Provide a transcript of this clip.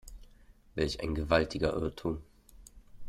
Welch ein gewaltiger Irrtum!